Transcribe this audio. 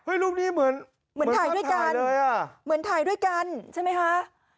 รูปนี้เหมือนเหมือนถ่ายด้วยกันเหมือนถ่ายด้วยกันใช่ไหมคะ